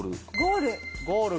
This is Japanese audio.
ゴール？